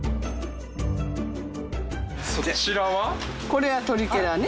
これはトリケラね。